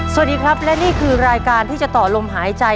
สวัสดีครับและนี่คือรายการที่จะต่อลมหายใจ